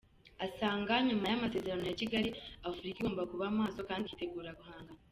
Asanga nyuma y’amasezerano ya Kigali, Afurika igomba kuba maso kandi ikitegura guhangana.